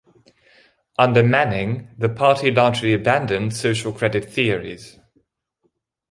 Under Manning, the party largely abandoned social credit theories.